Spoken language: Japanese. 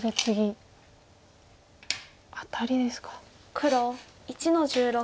黒１の十六。